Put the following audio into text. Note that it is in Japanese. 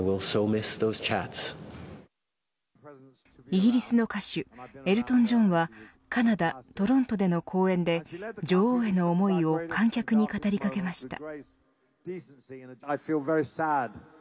イギリスの歌手エルトン・ジョンはカナダ、トロントでの公演で女王への思いを観客に語りかけました。